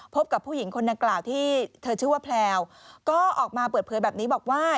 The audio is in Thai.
พบกับผู้หญิงคนดังกล่าวที่เธอชื่อว่าแพลวก็ออกมาเปิดเผยแบบนี้บอกว่า